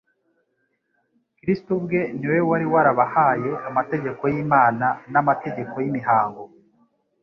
Kristo ubwe ni we wari warabahaye amategeko y'Imana n'amategeko y'imihango.